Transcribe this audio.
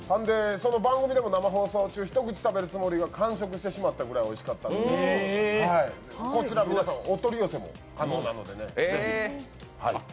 その番組でも生放送中、一口食べるつもりが完食してしまったぐらいおいしかったんで、こちら、皆さん、お取り寄せも可能なので是非。